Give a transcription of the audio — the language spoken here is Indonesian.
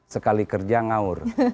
sekali kerja ngaur